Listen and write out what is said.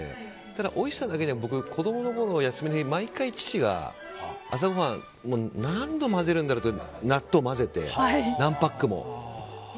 ただ、おいしさだけだと僕は子供のころ毎回父が朝ごはん何度混ぜるんだろうっていうぐらい納豆を混ぜて何パックも。